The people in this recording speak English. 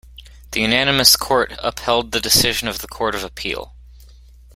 The unanimous Court upheld the decision of the Court of Appeal.